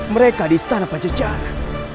mereka di istana pancacara